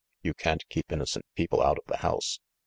You can't keep innocent people out of the house.